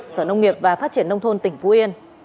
sở nông nghiệp và phát triển nông thôn tỉnh phú yên